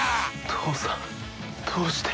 父さんどうして。